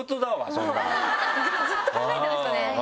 ずっと考えてましたね。